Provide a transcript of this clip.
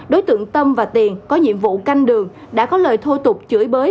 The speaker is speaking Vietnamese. đối tượng tâm và tiền có nhiệm vụ canh đường đã có lời thô tục chửi bới